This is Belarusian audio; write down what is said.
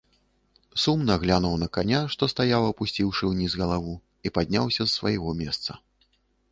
Сумна глянуў на каня, што стаяў, апусціўшы ўніз галаву, і падняўся з свайго месца.